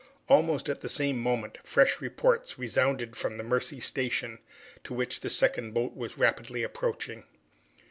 Almost at the same moment, fresh reports resounded from the Mercy station, to which the second boat was rapidly approaching.